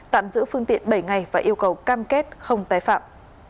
tạm giữ phương tiện bảy ngày và yêu cầu cam kết không tái phạm